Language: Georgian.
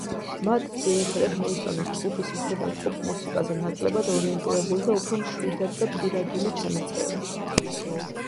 მათ ძირითადად მოიწონეს ჯგუფის მხრიდან პოპ-მუსიკაზე ნაკლებად ორიენტირებული და უფრო მშვიდად და პირადული ჩანაწერი.